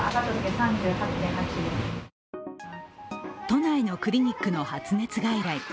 都内のクリニックの発熱外来。